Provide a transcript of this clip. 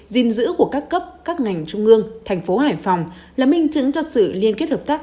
gìn giữ của các cấp các ngành trung ương thành phố hải phòng là minh chứng cho sự liên kết hợp tác